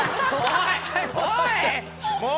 おい！